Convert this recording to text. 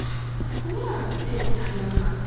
ほらスペース足りなくなった